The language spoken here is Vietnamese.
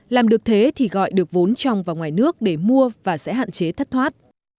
làm được thế thì gọi được vốn trong và ngoài nước để mua và sẽ hạn chế thất thoát